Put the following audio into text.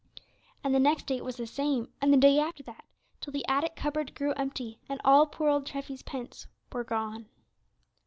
And the next day it was the same, and the day after that, till the attic cupboard grew empty, and all poor old Treffy's pence were gone.